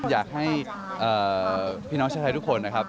อยากให้พี่น้องชาวไทยทุกคนนะครับ